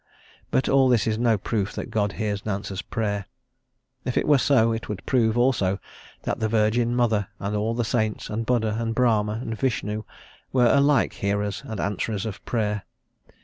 But all this is no proof that God hears and answers Prayer; if it were so, it would prove also that the Virgin Mother, and all the saints, and Buddha, and Brahma, and Vishnu were alike hearers and answerers of Prayer.